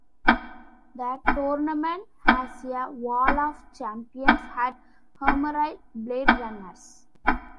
The Tournament has a Wall of Champions at Harmarille BladeRunners.